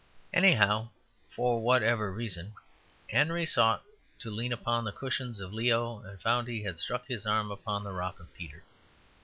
Anyhow, for whatever reason, Henry sought to lean upon the cushions of Leo and found he had struck his arm upon the rock of Peter.